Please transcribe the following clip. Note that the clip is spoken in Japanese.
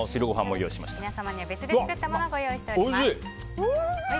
皆様には別で作ったものをご用意しております。